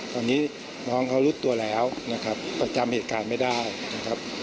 ตอนนี้น้องเขารู้ตัวแล้วนะครับประจำเหตุการณ์ไม่ได้นะครับ